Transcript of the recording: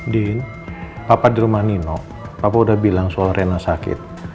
din papa di rumah nino papa udah bilang soal rena sakit